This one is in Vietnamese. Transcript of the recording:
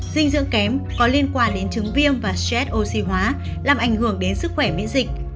dinh dưỡng kém có liên quan đến chứng viêm và stress oxy hóa làm ảnh hưởng đến sức khỏe miễn dịch